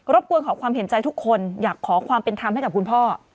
บกวนขอความเห็นใจทุกคนอยากขอความเป็นธรรมให้กับคุณพ่อ